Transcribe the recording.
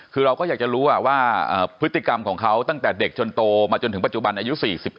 คือเราก็อยากจะรู้ว่าพฤติกรรมของเขาตั้งแต่เด็กจนโตมาจนถึงปัจจุบันอายุ๔๑